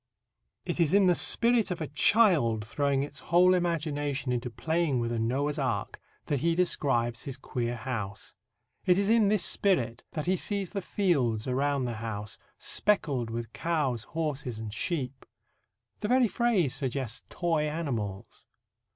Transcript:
It is in the spirit of a child throwing its whole imagination into playing with a Noah's Ark that he describes his queer house. It is in this spirit that he sees the fields around his house "speckled with cows, horses and sheep." The very phrase suggests toy animals.